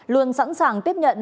luôn sẵn sàng tiếp nhận